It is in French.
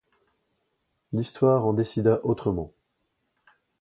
L’histoire en décida autrement.